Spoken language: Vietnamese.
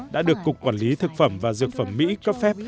đã được cục quản lý thực phẩm và dược phẩm mỹ cấp phép